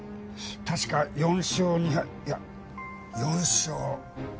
確か４勝２敗いや４勝。